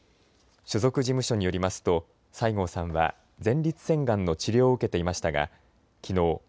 所属事務所によりますと西郷さんは前立腺がんの治療を受けていましたがきのう